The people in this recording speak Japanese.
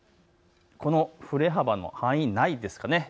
この振れ幅の範囲内ですかね。